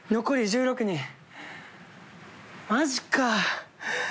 残り１５人。